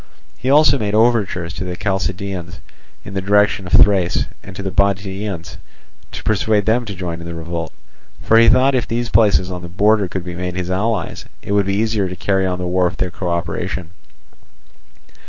He also made overtures to the Chalcidians in the direction of Thrace, and to the Bottiaeans, to persuade them to join in the revolt; for he thought that if these places on the border could be made his allies, it would be easier to carry on the war with their co operation.